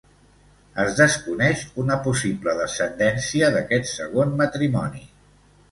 Es desconeix una possible descendència d'aquest segon matrimoni.